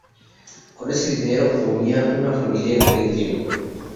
Con ese dinero comía una familia en aquel tiempo.